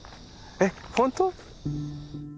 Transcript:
えっ本当？